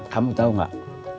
kamu tahu nggak